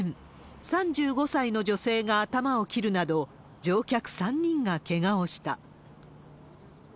３５歳の女性が頭を切るなど、乗客３人がけがをした。